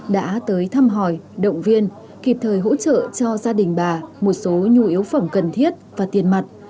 đã tới thăm hỏi động viên kịp thời hỗ trợ cho gia đình bà một số nhu yếu phẩm cần thiết và tiền mặt